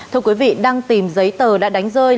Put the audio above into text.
thưa quý vị đang tìm giấy tờ đã đánh rơi